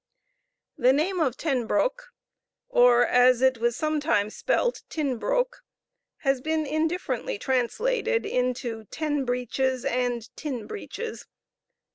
The name of Ten Broeck, or, as it was sometimes spelt, Tin Broeck, has been indifferently translated into Ten Breeches and Tin Breeches.